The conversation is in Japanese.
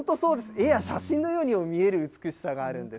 絵や写真のようにも見える美しさがあるんです。